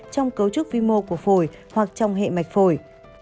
trong cấu trúc vi mô của phổi hoặc trong hệ mạch phổi